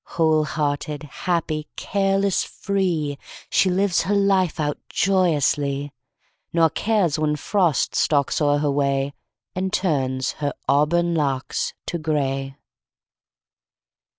Whole hearted, happy, careless, free, She lives her life out joyously, Nor cares when Frost stalks o'er her way And turns her auburn locks to gray.